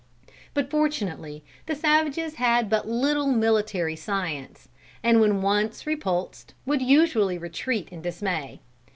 But fortunately the savages had but little military science, and when once repulsed, would usually retreat in dismay.